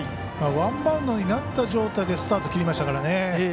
ワンバウンドになった状態でスタート切りましたからね。